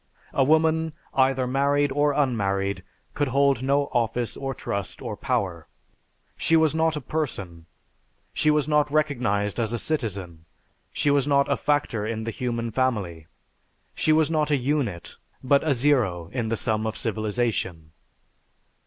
A woman, either married or unmarried, could hold no office or trust or power. She was not a person. She was not recognized as a citizen. She was not a factor in the human family. She was not a unit, but a zero in the sum of civilization....